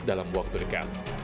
dalam waktu dekat